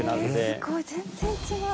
すっごい全然違う。